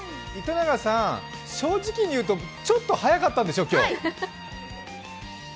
正直にいうとちょっと早かったんでしょ、今日？